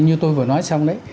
như tôi vừa nói xong đấy